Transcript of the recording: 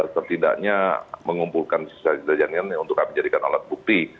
setidaknya mengumpulkan sisa sisa jaringannya untuk kami jadikan alat bukti